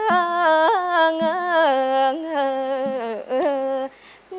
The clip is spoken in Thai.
เอิงเอิงเอิง